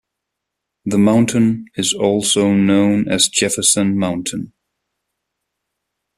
The mountain is also known as Jefferson Mountain.